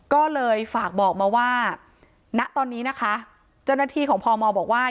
ก็เลยฝากบอกมาว่าณตอนนี้นะคะเจ้าหน้าที่ของพมบอกว่า